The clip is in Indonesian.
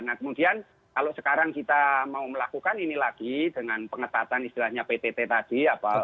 nah kemudian kalau sekarang kita mau melakukan ini lagi dengan pengetatan istilahnya ptt tadi